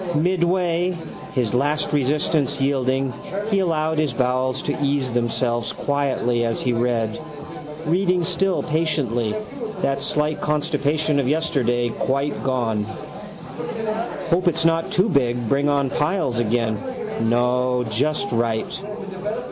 Midway, his last resistance yielding, he allowed his bowels to ease themselves quietly as he read, reading still patiently that slight constipation of yesterday quite gone. Hope it's not too big bring on piles again. No, just right.